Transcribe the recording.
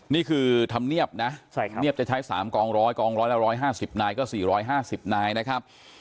นี่คือธรรมเนียบนะเนียบจะใช้๓กองร้อยกองร้อยละ๑๕๐นายก็๔๕๐นายนะครับ